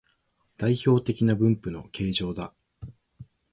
代表的な分布の形状だ